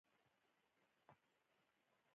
حجم د ځای اندازه ده.